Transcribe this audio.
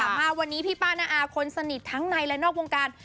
มาวันนี้พี่ป้าน้าอาคนสนิททั้งในและนอกวงการ